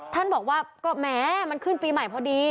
ท่านบอกว่าก็แหมมันขึ้นปีใหม่พอดี